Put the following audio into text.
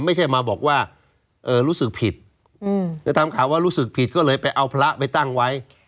ไม่ใช่มาบอกว่ารู้สึกผิดจะทำข่าวว่ารู้สึกผิดก็เลยไปเอาพระไปตั้งไว้